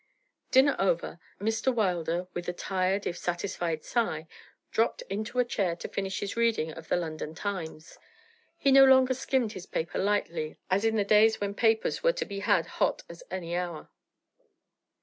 Dinner over, Mr. Wilder, with a tired if satisfied sigh, dropped into a chair to finish his reading of the London Times. He no longer skimmed his paper lightly as in the days when papers were to be had hot at any hour.